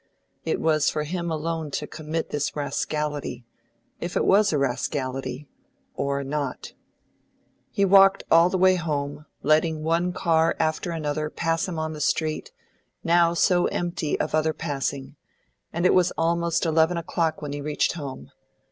It was for him alone to commit this rascality if it was a rascality or not. He walked all the way home, letting one car after another pass him on the street, now so empty of other passing, and it was almost eleven o'clock when he reached home.